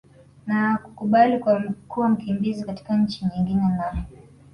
na kukubali kuwa mkimbizi katika nchi nyingine na